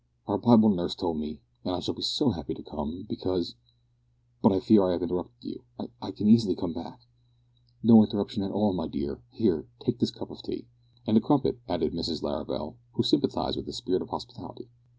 Our Bible nurse told me, and I shall be so happy to come, because but I fear I have interrupted you. I I can easily come back " "No interruption at all, my dear. Here, take this cup of tea " "And a crumpet," added Mrs Larrabel, who sympathised with the spirit of hospitality.